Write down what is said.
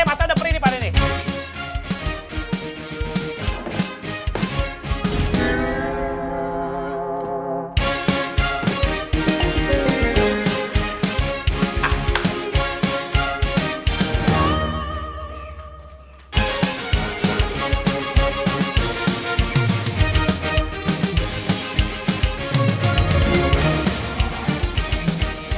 masa udah perih pa de nih